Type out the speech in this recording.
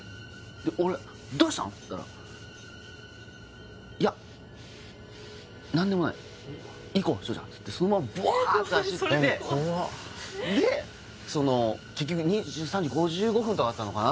で俺「どうしたの？」って言ったら「いや何でもない」「行こう翔ちゃん」っつってそのままブワーッと走って怖っでその結局２３時５５分とかだったのかな